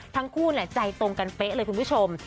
ทั้งคู่ใจตรงกันเป๊ะเลยคุณผู้ชม